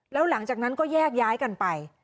แล้วหลังจากนั้นก็แยกย้ายกันไป